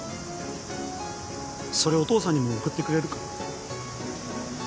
それお父さんにも送ってくれるか？